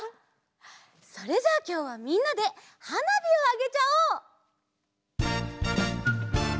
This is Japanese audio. それじゃあきょうはみんなではなびをあげちゃおう！